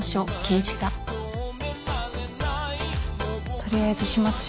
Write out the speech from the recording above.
とりあえず始末書。